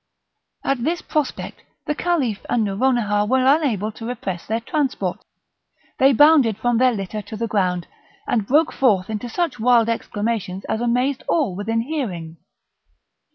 At this prospect the Caliph and Nouronihar were unable to repress their transports; they bounded from their litter to the ground, and broke forth into such wild exclamations, as amazed all within hearing.